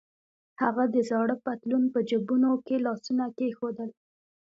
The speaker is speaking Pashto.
هغه د زاړه پتلون په جبونو کې لاسونه کېښودل.